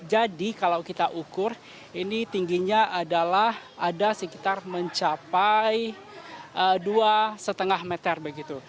jadi kalau kita ukur ini tingginya adalah ada sekitar mencapai dua lima meter begitu